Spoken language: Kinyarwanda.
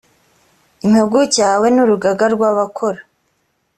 impuguke ahawe n urugaga rw abakora